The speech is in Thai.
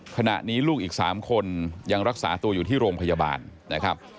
ขณะนี้ลูกอีก๓คนยังรักษาตัวอยู่ที่โรงพยาบาลนะครับ